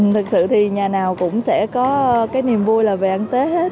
thực sự thì nhà nào cũng sẽ có cái niềm vui là về ăn tết hết